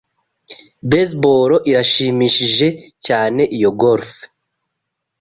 Baseball irashimishije cyane iyo golf.